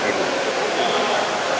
semuanya harus siap ikut pemilu